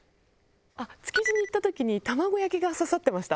築地に行った時に卵焼きが刺さってました。